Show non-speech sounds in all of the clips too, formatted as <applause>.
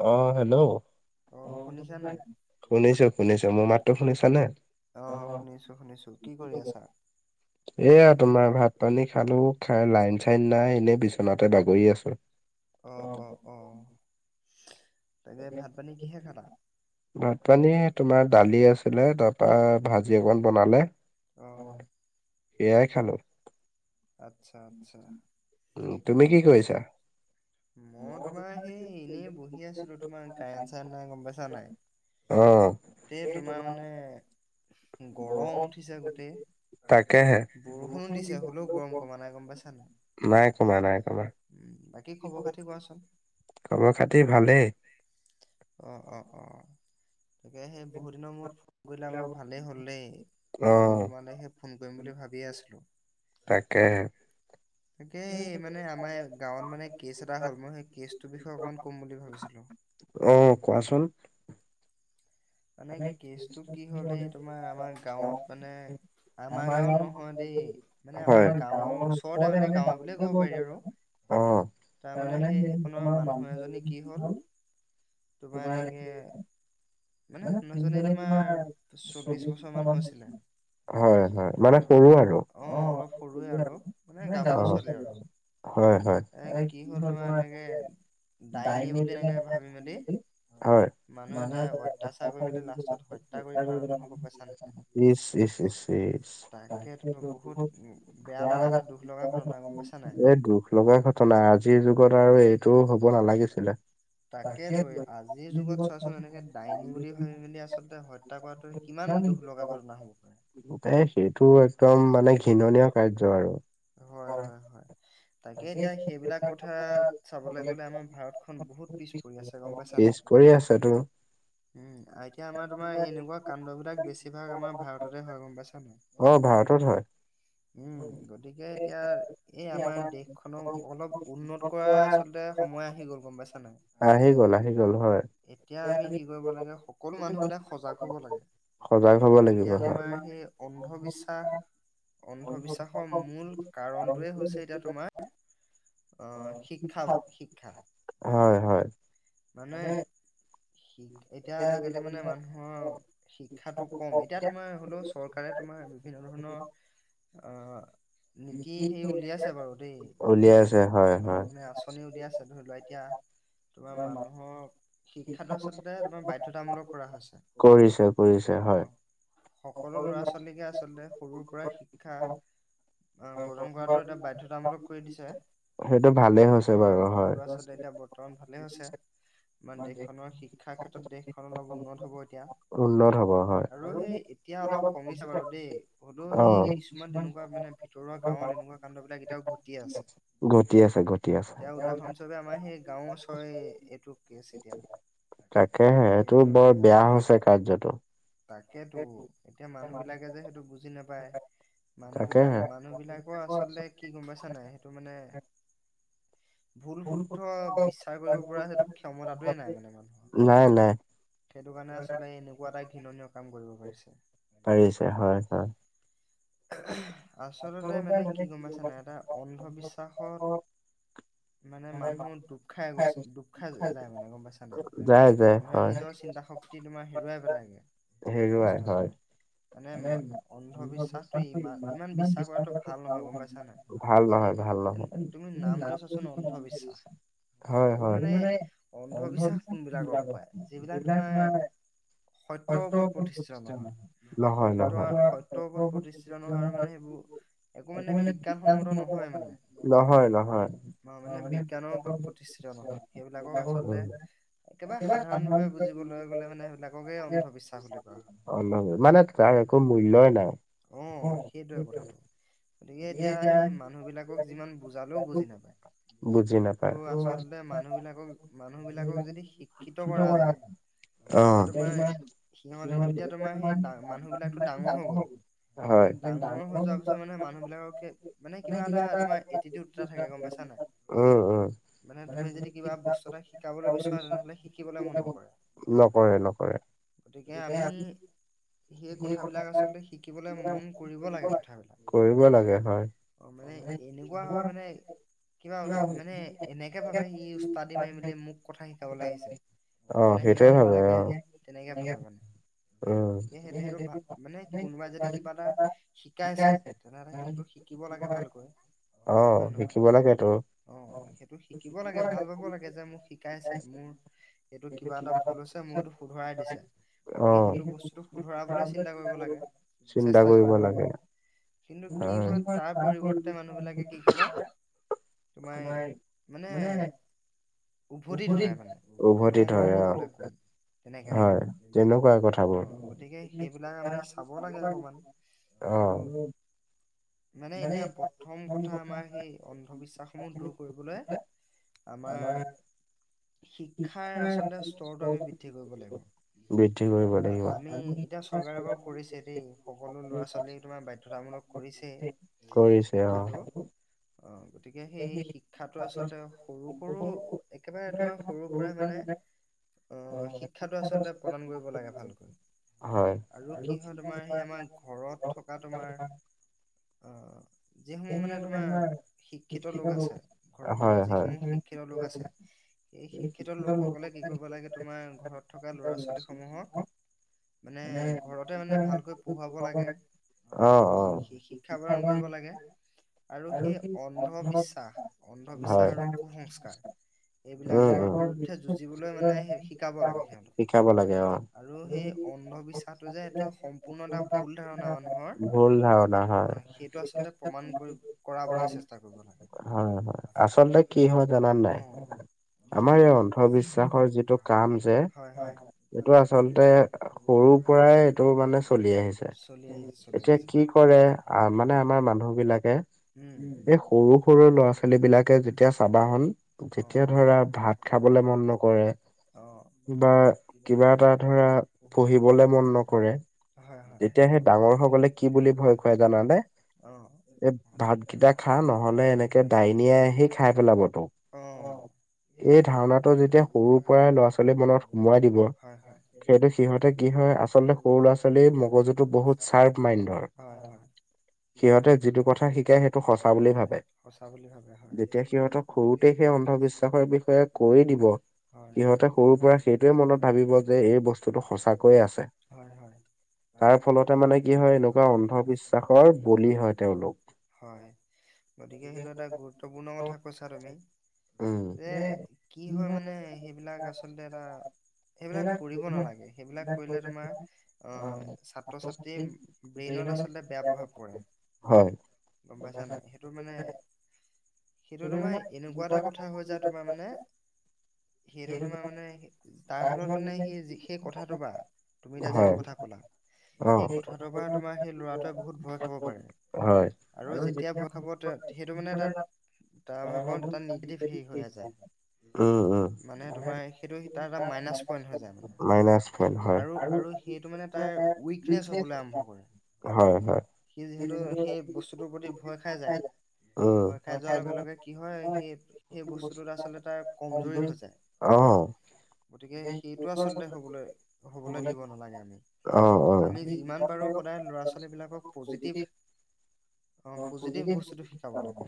অহ, hello, অ শুনিছা নে? শুনিছো শুনিছো। মোৰ মাতটো শুনিছ নে? অ শুনিছো শুনিছো। কি কৰি আছা? <inaudible> অ অ টোত অ। তাকে ভাত পানী কিহে খালা? ভাত পানী তোমাৰ দালি আছিলে তাৰপা ভাজি অকণ বনালে অহ। সেয়াই খালো। আতছা আতছা মই তোমাৰ সে এনেই বহি তোমাৰ কাৰেণ চাৰেণ্ট নাই গম পাইছা নাই? তেই তোমাৰ মানে গৰম উঠিছে গোটেই বৰষুণো দিছে হ'লেও গৰম কমা নাই গম পাইছা নাই? নাই কমা। কি খবৰ খাতি কোৱাচোন? অ অ অ। তাকেহে বহুত দিনৰ মূৰত ফোন কৰিলা ক ভালেই হ'ল দেই। অ। ফোন কৰিম বুলি ভাবিয়ে আছিলো। তাকেহে। তাকে এই মানে আমাৰ গাঁৱত মানে কেছ এটা হ'ল মই সেই কেচটোৰ বিষয়ে অকনমান কম বুলি ভাবিছিলো। অ কোৱাচোন। মানে কেচটো কি হ'লে এই তোমাৰ আমাৰ গাঁৱত মানে আমাৰ গাঁওত নহয় দেই, মানে আমাৰ গাঁৱৰ ওচৰতে মানে গাঁৱৰ বুলিয়ে ক'ব পাৰি আৰু অ হলে এই তোমাৰ বান্ধ কি হ তোমাৰ মানে নজনী তোমাৰ চল্লিছ বিষা মান হৈছিল অ অলপ। মানে গ চ। এ কি হ'ল তোমাৰ এনেকে, ডাইনী বুলি এনেকে ভাবিমেলি হয়। অত্যাচা কৰি মেলি লাষ্টত হত্যা কৰি পেলানে নহয় গম পাইছা নাই ইচ ইচ ইচ ইচ তাকেতো বহুত বেয়া লগা এই দুখ লগা ঘটনা আজিৰ যুগত আৰু এইটো হ'ব নালাগিছিলে তাকেতো আজিৰ যুগত চোৱাচোন এনেকে ডাইনী বুলি ভাবি মেলি আচলতে হত্যা ত কিমান দুখ লগা ঘটনা হ'ব পাৰে একদম মানে ঘৃণনীয় কাৰ্য আৰু অ তাকে এতিয়া সেইবিলাক কথা, চাবলৈ গলে আমাৰ ভাৰত খন বহুত পিছ পৰি আছে গম পাইছা নাই। পৰি আছে তো। উম এতিয়া আমাৰ তোমাৰ এনেকোৱা কাণ্ড বিলাক বেছিভাগ আমাৰ ভাৰততে হয় গম পাইছা। অহ ভাৰতত হয়। গতিকে এতিয়া এই আমাৰ দেশখনক অলপ উন্নত কৰা আচলতে সময় আহি গ'ল গম পাইছা নাই আহি গ'ল আহি গল। এতিয়া আমি কি কৰিব লাগে সকলো মানুহ বিলাক সজাগ হব লাগে। সজাগ হব লাগিব হয়। অন্ধবিশ্বাস আৰু হৈ <unintelligible> ছে জা অ শিক্ষা শিক্ষা। হয় হয়। মানে শ এতিয়া আজিকালি মানে মানুহৰ শিক্ষাটো কম এতিয়া তোমাৰ হ'লেও চৰকাৰে তোমাৰ বিভিন্ন ধৰণৰ অহ নেকি সেই উলিয়াইছে বাৰু দেই, অহ', মানে আঁচনি উলিয়াইছে ধৰি লোৱা এতিয়া <inaudible> শিক্ষাত আচলতে তোমাৰ বাধ্যতামূলক কৰা হৈছে। অহ সকলো ল'ৰা -ছোৱালীকে আচলতে সৰুৰ পৰা শিক্ষা অ', প্ৰদান কৰাটো এটা বাধ্যতামূলক কৰি দিছে। ভলে হৈছে বাৰু হয় মান দেখাম। শিক্ষাৰ ক্ষেত্ৰত দেশখন অলপ উন্নত হ'ব এতিয়া। আৰু সেই, এতিয়া অলপ কমিছ বাৰু দেই হলোও সেই কিছুমান তেনেকুৱা মানে ভিতৰোৱা গাঁৱত এনেকুৱা কাণ্ডবিলাক এতিয়াও ঘটিয়ে আছে। ঘটিয়ে এতিয়া উদাহৰণস্বৰৱে আমাৰ সেই গাঁৱৰ ওচৰ এইটো কেছ এতিয়া তাকেহে এইটো বৰ বেয়া হৈছে কাৰ্যটো তাকেতো এতিয়া মানুহ বিলাকে যে সেটো বুজি নাপায় মানুহ বিলাক- মানুহ বিলাকৰ আচলতে কি গম পাইছা নাই সেইটো মানে ভুল -শুদ্ধ বিচাৰ কৰিব পৰা সেইটো ক্ষমতাটোয়ে নাই মানে মানুহৰ নাই। সেটো কাৰণে আচলে এনেকুৱা এটা ঘৃণনীয় কাম কৰিব পাৰিছে। পাৰিছে হয় -হয়। আচলতে মানে কি গম পাইছা নাই এটা অন্ধবিশ্বাসত মানে মানুহ ডুব খাই গৈছে ডুব খাই যায় মানে গম পাইছা নাই মানুহে নিজৰ চিন্তা- শক্তি তোমাৰ হেৰুৱাই পেলাইগে হেৰুৱাই হয় <unintelligible> <unintelligible> ভাল নহয় -ভাল নহয়। অন্ধবিশ্বাস হয় -হয় <unintelligible> যিলাক সত্ৰ অকল প্ৰতিষ্ঠা নহয়-নহয় - <unintelligible> তিষ্ঠিত নহয় আৰু মানে সেইবোৰ একো মানে বিজ্ঞানসন্মত নহয় মানে মানে বিজ্ঞানৰ ওপৰত প্ৰতিষ্ঠিত নহয় সেইবিলাকক আচলতে একেবাৰে সাধাৰণ ভাৱে বুজিবলৈ গ'লে মানে সেইবিলাককে অন্ধবিশ্বাস বুলি কোৱা হয়। মানে তাৰ একো মূল্য়ই নাই। অহ, সেইটোয়ে কথাটো। গতিকে এতিয়া সেই মানুহবিলাকক যিমান বুজালেও বুজি নাপায়। এইটো আচলতে মানুহ বিলাকক -মানুহ বিলাকক যদি শিক্ষিত কৰা যায় অহ <unintelligible> ডাঙৰ হৈ যোৱাৰ পিছত মানে মানুহ বিলাককে মানে কিবা এটা তোমাৰ এটিতিউত এটা ৰাখে গম পাই পাইছা নাই? মানে তুমি যদি কিবা বস্তু এটা শিকাবলৈ বিচৰা তেনেহলে শিকিবলে মন নকৰে। নকৰে - নকৰে। গতিকে আমি সেই কথাবিলাক আচলতে শিকিবলৈ মন কৰিব লাগে কথাবিলাক। অহ, মানে এনেকুৱা হয় মানে কিবা মানে এনেকে ভাবে সি ওস্তাদি মাৰি মেলে মোক কথা শিকাবলৈ আহিছে। মানে সেই মানুহ বিলাকে সেই তেনেকে ভাবে মানে। অহ <unintelligible> কোনোবাই যদি কিবা এটা শিকাইছে তেনেহ'লে সেইটোতো শিকিব লাগে ভালকৈ। অহ, শিকিব লাগেতো অহ, শিকিব লাগে <unintelligible> এইটো কিবা এটা মানে অ চিন্তা কৰিব লাগে কিন্তু কি হয় তাৰ পৰিৱৰ্তে মানুহ বিলাকে কি কৰে তোমাৰ মানে উভতি ধৰে মানে তই মোক কবলৈ কোন তেনেকে মানে অ গতিকে সেইবিলাক আমি চাব অহ মানে এতিয়া প্ৰথম কথা আমাৰ সেই অন্ধবিশ্বাস কৰিবলৈ আমাৰ শিক্ষাৰ আচলতে স্তৰটো আমি বৃদ্ধি কৰিব লাগিব। বৃদ্ধি কৰিব লাগিব। দেই সকলো ল'ৰা ছোৱালী তোমাৰ বাধ্যতামূলক কৰিছে শিক্ষাটো। <inaudible> গতিকে সেই শিক্ষাটো আচলতে সৰু সৰু একেবাৰে তোমাৰ সৰুৰ পৰাই মানে অ শিক্ষাটো আচলতে প্ৰদান কৰিব লাগে ভালকৈ আৰু তোমাৰ সেই আমাৰ ঘৰত থকা তোমাৰ অ যিসমূহ মানে তোমাৰ শি ক্ষিত লোক আছে ঘৰত যিসমূহ শিক্ষিত লোক আছে। এই শিক্ষিত লোকসকলে কি কৰিব লাগে তোমাৰ ঘৰত থকা ল'ৰা ছোৱালী সমূহক মানে ঘৰতে মানে ভালকৈ পঢ়ুৱাব লাগে। অ সি শিক্ষা প্ৰদান কৰিব লাগে আৰু সেই অ বিশ্বাস অন্ধবিশ্বাস আৰু কুসংস্কাৰ, এইবিলাকৰ বিৰুদ্ধে যুঁজিবলৈ মানে শিকাব লাগে সিহঁতক। আৰু সেই অন্ধবিশ্বাসটো যে এইটো সম্পূৰ্ণ এটা ভুল ধাৰণা মানুহৰ। অ সেইটো আচলতে প্ৰমণ কৰি কৰাবলৈ চেষ্টা হয় হয়, আচলতে কি হয় জনা নে নাই? আমাৰ এই অন্ধবিশ্বাসৰ যিটো কাম যে এইটো আচলতে সৰু পৰাই এইটো মানে চলি আহিছে, এতিয়া কি কৰে মানে আমাৰ মানুহ বিলাকে উম সৰু সৰু ল'ৰা ছোৱালী বিলাকে যেতিয়া চাবাহন যেতিয়া ধৰা ভাত খাবলে মন নকৰে, বা কিবা এটা ধৰা পঢ়িবলে মন নকৰে, হয় হয়। অহ নহলে এনেকে ডাইনীয়ে আহি খাই পেলাব তোক এই ধাৰণিটো যেতিয়া সৰুৰ পৰাই ল'ৰা ছোৱালীৰ মনত সুমোৱাই দিব সেইটো সিহঁতে কি হয়, আচলতে সৰু ল'ৰা ছোৱালী মগজুতটো বহুত চাৰ্প মাইণ্ডৰ। সিহঁতে যিটো কথা শিকে সেইটো সঁচা বুলি ভাবে। সঁচা বুলি ভাবে হয়। তে সৰুৰ পৰা সেইটোয়ে মনত ভাবিব যে এই বস্তুতটো সঁচাকৈয়ে আছে। হয় হয় হয় গতিকে সেইটো এটা গুৰুত্বপূৰ্ণ কথা কৈছা তুমি। যে কি হয় মানে সেইবিলাক আচলতে এটা, সেইবিলাক কৰিব নালাগে, সেইবিলাক কৰিলে তোমাৰ ছাত্ৰ ছাত্ৰীৰ ব্ৰেইনত আচলতে বেয়া প্ৰভাৱ পৰে। গম পাইছা নাই, সেইটো মানে সেইটো তোমাৰ এনেকোৱা এটা কথা হৈ যাই তোমাৰ মানে, সেইটো তোমাৰ মানে তাৰ ফলত মানে সেই সেই কথাটো পা তুমি এতিয়া যিটো কথা ক'লা, সেই কথাটোৰ পৰা তোমাৰ সেই ল'ৰাটোৱে বহুত ভয় খাব পাৰে। আৰু যেতিয়া, সেইটো মানে তাত <unintelligible> উম উম মাইনাচ পইণ্ট হয় সেইটো মানে তাৰ উইকনেছ হবলৈ আৰম্ভ কৰে। সি যিহেতু সেই বস্তুটোৰ প্ৰতি ভয় খাই। <unintelligible> ভয় খাই যোৱাৰ লগে লগে কি হয় সেই সেই বস্তুটোত আচলতে তাৰ কমজুৰি হৈ যায়। গতিকে সেইটো আচলতে হ'বলৈ হ'বলৈ দিব নালাগে আমি, আমি যিমান পাৰো সদায় ল'ৰা ছোৱালী বিলাকক পজিটিভ উম পজিটিভ বস্তুটো শিকাব লাগে,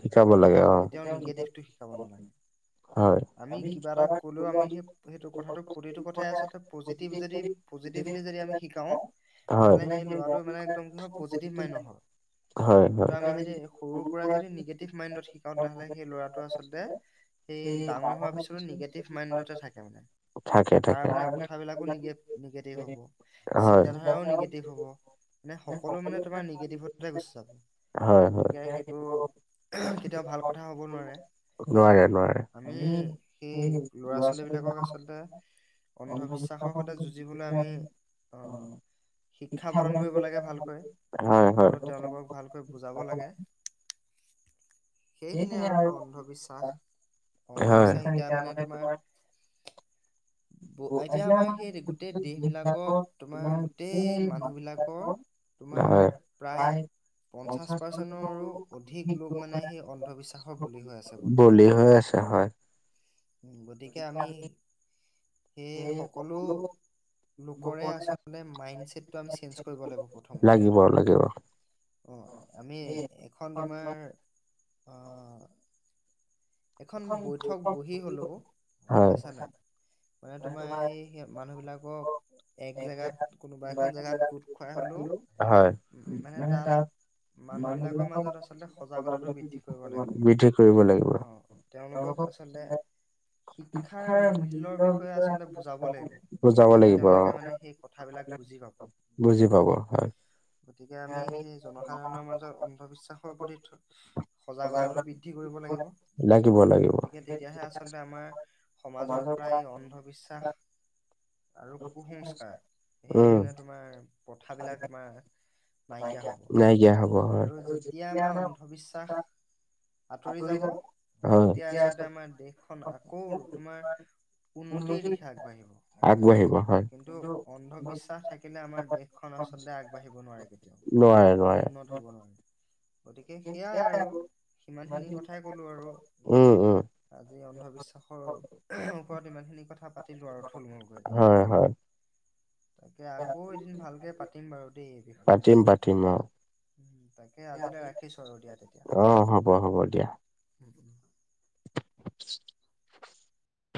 কেতিয়াও নিগেটিভটো শিকাব নালাগে। আমি কিবা এটা কলেও আমি সেই সেইটো কথাটো প্ৰতিটো কথাই আচলতে পজিটিভ যদি হয় হয় হয়্ সৰুৰ পৰা যদি নিগেটিভ মাইণ্ডত শিকাওঁ তেনেহ'লে সেই ল'ৰাটো আচলতে, সেই ডাঙৰ হোৱাৰ পিছতো নিগেটিভ মাইণ্ডতে থাকে মানে। থাকে থাকে। নিগেটিভ হ'ব, চিন্তাধাৰাও নিগেটিভ হ'ব। মানে সকলো মানে তোমাৰ নিগেটিভতহে গুচ যাব। হয় হয় কেতিয়াও ভাল কথা হ'ব নোৱাৰে। নোৱাৰে নোৱাৰে। আমি সেই ল'ৰা ছোৱালী বিলাকক আচলতে অন্ধবিশ্বাসৰ সতে যুঁজি। জিবলে আমি অ। শিক্ষা প্ৰবান কৰিব কানে আমি হয় - হয়। সেইখিনিয়ে আৰু অন্ধবিশ্বাস -অন্ধবিশ্বাস এতিয়া মানে তোমাৰ। <inaudible> গোঁ এতিয়া আমাৰ সেই গোঁ। গোটেই দেশ বিলাকত তোমাৰ গোটেই মানুহ বিলাকৰ। তোমাৰ প্ৰায়। পঞ্চাশ পাৰ্চেণ্টৰো অধিক লোক মানে সেই অন্ধবিশ্বাসৰ বলি হৈ আছে বৰ্তমান। হয়। উ গতিকে আমি সেই সকলো। লোকৰে আচলতে মাইণ্ড চছেটটো আমি চেঞ্জ কৰিব লাগিব প্ৰথম কথা। অ আমি এখন তোমাৰ অ। এখন বৈঠক বহি হলেও গম পাইছা নাই। মানে তোমাৰ সেই মানুহবলাকক। ম <unintelligible> হয় মানে তাৰ মানুহ বিলাকৰ মাজত আ সদাক বৃদ্ধি কৰিব লাগিব। তেওঁলোকক আচলতে শিক্ষাৰ মূল্যৰ বিষয়ে আচলতে বুজাব লাগিব। যাব লাগিব অ বুজি পাব হয়। গতিকে আমি সেই জনসাধাৰণৰ মাজৰ অন্ধবিশ্বাসৰ প্ৰতি সজাগতাটো বৃদ্ধি কৰি। কৰিব লাগিব। গতিকে তেতিয়াহে আচল্ততে আমাৰ সমাজৰ পৰা এই অন্ধবিশ্বাস। আৰু কুসংস্কাৰ এই মানে তোমাৰ প্ৰথাবিলাক আমাৰ। নাইকিয়া হ'ব আৰু যেতিয়া আমাৰ অন্ধবিশ্বাস। আঁতৰি যাব তেতিয়া আচলতে আমাৰ দেশখন আকৌ তোমাৰ। উন্নতিৰ দিশে আগবাঢ়িব। আগবাঢ়িব। কিন্তু অন্ধবিশ্বাস থাকিলে আমাৰ দেশখন আচলতে আগবাঢ়িব নোৱাৰে কেতিয়াও। উন্নত হব নোৱাৰে। গতিকে সেইয়াই আৰু সিমান খিনি কথাই কলো আৰু। আজি, অন্ধবিশ্বাসৰ ওপৰত ইমান খিনি কথা পাতিলোঁ আৰু। হয়, হয়। তাকে, আকৌ এদিন ভালকে পাতিম বাৰু দেই। পাতিম, পাতিম। অ'! তাকে, আজিলৈ ৰাখিছোঁ আৰু দিয়া তেতিয়া হ'লে। <unintelligible>